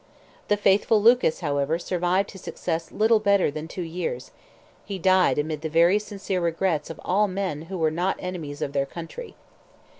The faithful Lucas, however, survived his success little better than two years; he died amid the very sincere regrets of all men who were not enemies of their country.